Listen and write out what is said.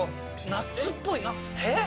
ナッツっぽいえっ？